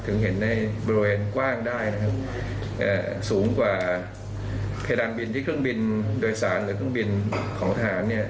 เห็นในบริเวณกว้างได้นะครับสูงกว่าเพดานบินที่เครื่องบินโดยสารหรือเครื่องบินของทหารเนี่ย